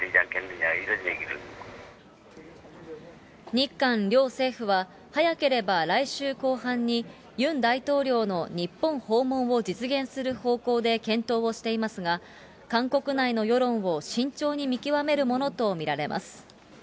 日韓両政府は、早ければ来週後半に、ユン大統領の日本訪問を実現する方向で検討をしていますが、韓国内の世論を慎重に見極めるものと見られます。